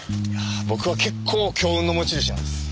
僕は結構強運の持ち主なんです。